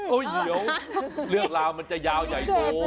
เดี๋ยวเรื่องราวมันจะยาวใหญ่โต